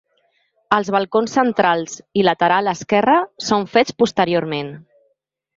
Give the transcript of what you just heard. Els balcons centrals i lateral esquerre són fets posteriorment.